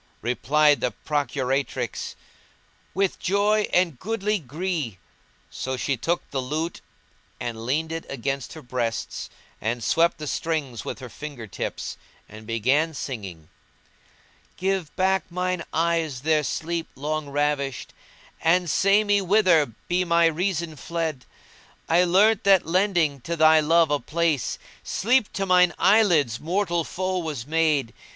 Replied the procuratrix, "With joy and goodly gree;" so she took the lute; and leaned it against her breasts and swept the strings with her finger tips, and began singing:— "Give back mine eyes their sleep long ravished * And say me whither be my reason fled: I learnt that lending to thy love a place * Sleep to mine eyelids mortal foe was made.